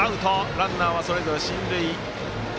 ランナーはそれぞれ進塁。